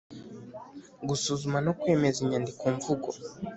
Gusuzuma no kwemeza inyandikomvugo